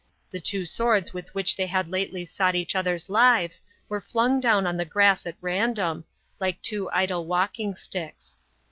The two swords with which they had lately sought each other's lives were flung down on the grass at random, like two idle walking sticks.